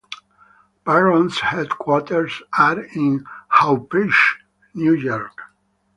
Barron's headquarters are in Hauppauge, New York.